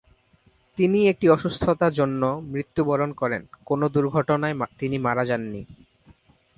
তিনি একটি অসুস্থতা জন্য মৃত্যুবরণ করেন, কোনো দুর্ঘটনায় তিনি মারা যান নি।